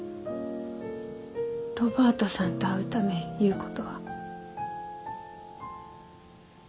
ロバートさんと会うためいうことは？